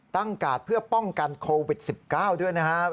กาดเพื่อป้องกันโควิด๑๙ด้วยนะครับ